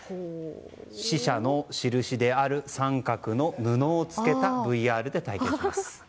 死者の印である三角の布を付けたＶＲで体験します。